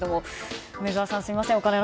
梅沢さん、すみません